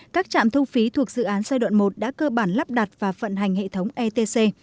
các trạm thu phí thuộc dự án giai đoạn một đã cơ bản lắp đặt và vận hành hệ thống etc